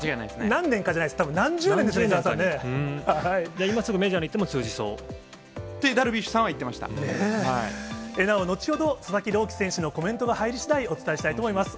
何年かじゃないです、たぶん今すぐメジャーにいっても通って、ダルビッシュさんは言なお、後ほど、佐々木朗希投手のコメントが入りしだい、お伝えいたします。